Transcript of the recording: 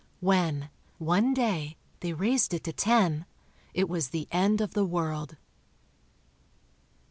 When, one day, they raised it to ten, it was the end of the world.